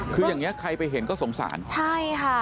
คืออย่างนี้ใครไปเห็นก็สงสารใช่ค่ะ